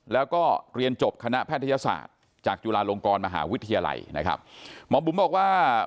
แล้วก็เรียนจบคณะแพทยศาสตร์จากจุฬาลงกรมหาวิทยาลัยนะครับหมอบุ๋มบอกว่า